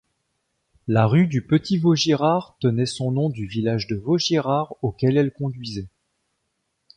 La rue du Petit-Vaugirard tenait son nom du village de Vaugirard auquel elle conduisait.